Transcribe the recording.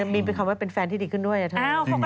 มีเป็นคำว่าเป็นแฟนที่ดีขึ้นด้วยนะเธอ